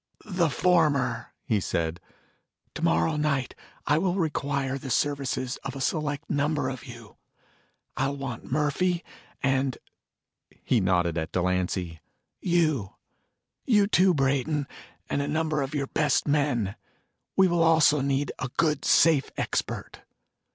"The former," he said. "Tomorrow night I will require the services of a select number of you. I'll want Murphy, and " he nodded at Delancy "you. You, too, Brayton, and a number of your best men. We will also need a good safe expert."